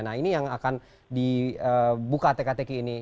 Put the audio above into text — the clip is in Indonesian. nah ini yang akan dibuka tktq ini